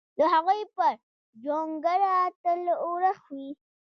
د هغوی پر جونګړه تل اورښت وي!